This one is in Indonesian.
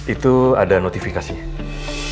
itu ada notifikasinya